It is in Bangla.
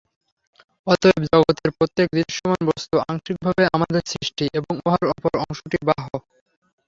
অতএব জগতের প্রত্যেক দৃশ্যমান বস্তু আংশিকভাবে আমাদের সৃষ্টি এবং উহার অপর অংশটি বাহ্য।